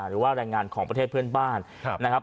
หรือว่าแรงงานของประเทศเพื่อนบ้านนะครับ